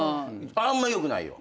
あんまよくないよ。